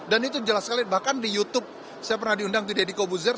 dan itu jelas sekali bahkan di youtube saya pernah diundang di deddy kobuzer